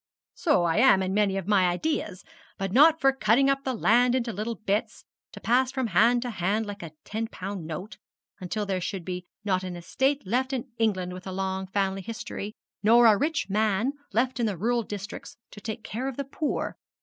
'So I am in many of my ideas, but not for cutting up the land into little bits, to pass from hand to hand like a ten pound note, until there should not be an estate left in England with a long family history, nor a rich man left in the rural districts to take care of the poor.